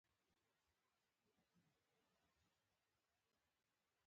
مډرن علوم او مطالعې له یوې خوا دین مخ کوي.